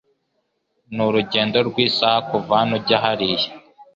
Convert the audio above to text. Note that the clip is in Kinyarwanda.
Ni urugendo rw'isaha kuva hano ujya hariya.